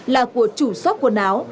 là của chủ sóc quần áo